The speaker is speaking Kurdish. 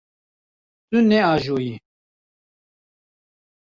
Tu naajoyî.